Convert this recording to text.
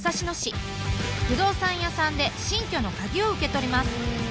不動産屋さんで新居の鍵を受け取ります。